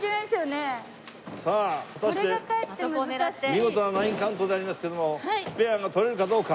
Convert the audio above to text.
見事な９カウントでありますけどもスペアが取れるかどうか。